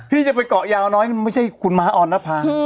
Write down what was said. ที่จะไปเกาะยาวน้อยไม่ใช่คุณม้าออนภา